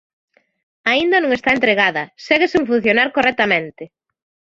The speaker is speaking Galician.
Aínda non está entregada, ¡segue sen funcionar correctamente!